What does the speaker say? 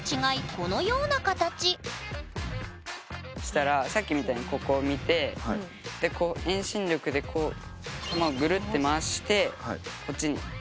このような形そしたらさっきみたいにここを見てでこう遠心力でこうぐるって回してこっちに。